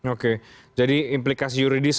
oke jadi implikasi yuridis